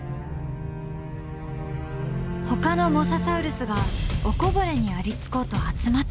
ほかのモササウルスがおこぼれにありつこうと集まってきた。